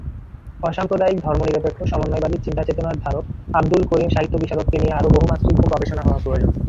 অসাম্প্রদায়িক-ধর্মনিরপেক্ষ-সমন্বয়বাদী চিন্তাচেতনার ধারক আবদুল করিম সাহিত্যবিশারদকে নিয়ে আরও বহুমাত্রিক গবেষণা হওয়া প্রয়োজন।